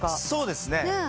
そうですね。